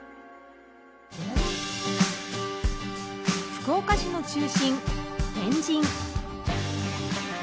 福岡市の中心天神。